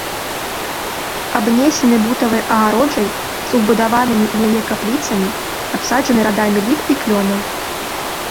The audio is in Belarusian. Абнесены бутавай агароджай з убудаванымі ў яе капліцамі, абсаджаны радамі ліп і клёнаў.